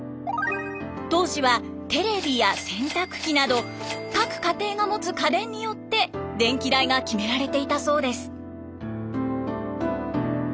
当時はテレビや洗濯機など各家庭が持つ家電によって電気代が決められていたそうです。